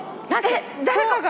誰かが。